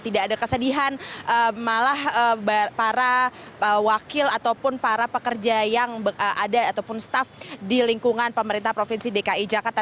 tidak ada kesedihan malah para wakil ataupun para pekerja yang ada ataupun staff di lingkungan pemerintah provinsi dki jakarta